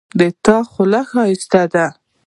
د تا خولی ښایسته ده